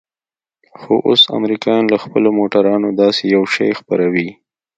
خو اوس امريکايان له خپلو موټرانو داسې يو شى خپروي.